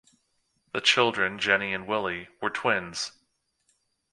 The children, Jenny and Willy, were twins.